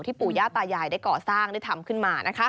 ปู่ย่าตายายได้ก่อสร้างได้ทำขึ้นมานะคะ